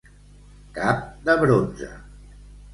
Cap de bronze.